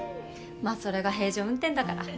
まあそれが平常運転だから。